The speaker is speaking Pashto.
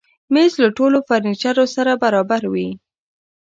مېز له ټولو فرنیچرو سره برابر وي.